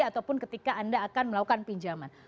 ataupun ketika anda akan melakukan pinjaman